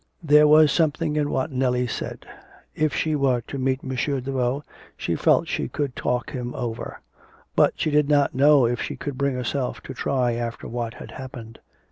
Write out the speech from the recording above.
There was something in what Nellie said. If she were to meet M. Daveau she felt that she could talk him over. But she did not know if she could bring herself to try after what had happened....